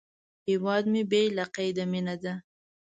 هیواد مې بې له قیده مینه ده